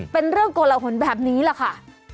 เป็นเรื่องโกละหนแบบนี้แหละค่ะ